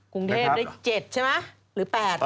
กรุงเทพได้๗ใช่ไหมหรือ๘